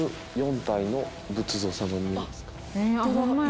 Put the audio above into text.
ホンマや。